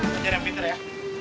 bajarin yang pinter ya